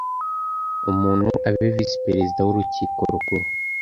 umuntu abe Visi Perezida w Urukiko rukuru